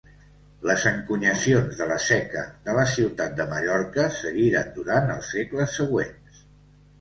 Les encunyacions de la seca de la Ciutat de Mallorca seguiren durant els segles següents.